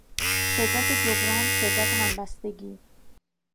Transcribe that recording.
شدت جبران، شدت همبستگی